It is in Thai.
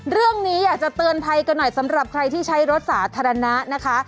เรื่องนี้อยากจะเตือนภัยกันหน่อยสำหรับใครที่ใช้รถสาธารณะนะคะ